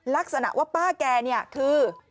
ลักษณะว่าป้าแกเนี่ยคือ